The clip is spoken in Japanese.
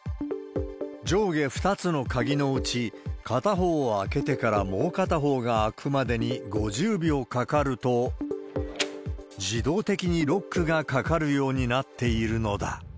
上下２つの鍵のうち、片方を開けてからもう片方が開くまでに５０秒かかると、自動的にロックがかかるようになっているのだ。